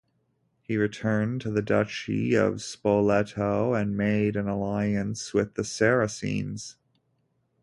He returned to the Duchy of Spoleto and made an alliance with the Saracens.